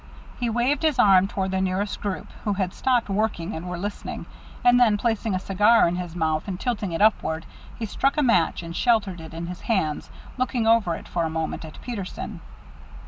He waved his arm toward the nearest group, who had stopped working and were listening; and then, placing a cigar in his mouth and tilting it upward, he struck a match and sheltered it in his hands, looking over it for a moment at Peterson.